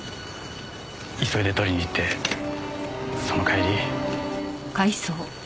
急いで取りにいってその帰り。